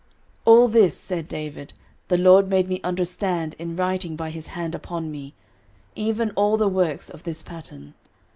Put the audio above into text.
13:028:019 All this, said David, the LORD made me understand in writing by his hand upon me, even all the works of this pattern.